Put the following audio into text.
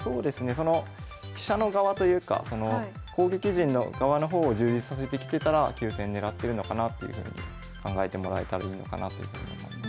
その飛車の側というか攻撃陣の側の方を充実させてきてたら急戦ねらってるのかなっていうふうに考えてもらえたらいいのかなというふうに思います。